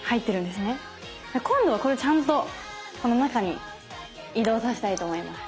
今度はこれちゃんとこの中に移動させたいと思います。